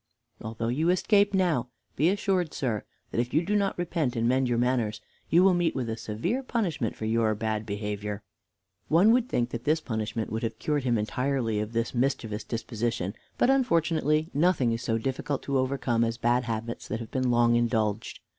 Although you escape now, be assured, sir, that if you do not repent and mend your manners, you will meet with a severe punishment for your bad behavior." One would think that this punishment would have cured him entirely of this mischievous disposition, but, unfortunately nothing is so difficult to overcome as bad habits that have been long indulged.